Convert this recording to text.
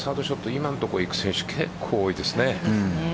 今の所いく選手結構多いですね。